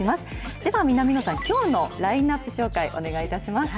では南野さん、きょうのラインナップ紹介、お願いいたします。